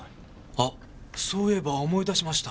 あそういえば思い出しました。